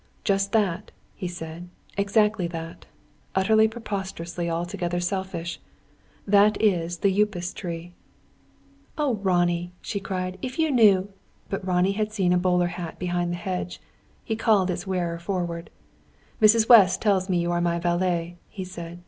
"Just that," he said. "Exactly that. Utterly, preposterously, altogether, selfish. That is the Upas tree." "Oh, Ronnie," she cried, "if you knew " But Ronnie had seen a bowler hat behind the hedge. He called its wearer forward. "Mrs. West tells me you are my valet," he said.